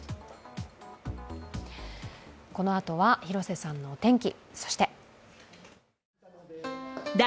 このあとは広瀬さんのお天気。